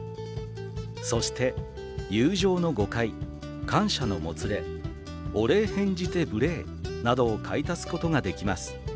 「そして『友情の誤解』『感謝のもつれ』『お礼変じて無礼』などを買い足すことができます。